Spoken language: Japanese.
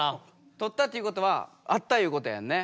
とったっていうことはあったというやんね